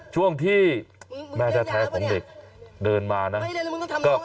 ช่วงที่แม่แท้ของเด็กเดินมานะ